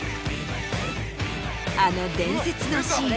あの伝説のシーン。